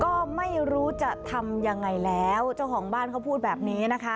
ก็ไม่รู้จะทำยังไงแล้วเจ้าของบ้านเขาพูดแบบนี้นะคะ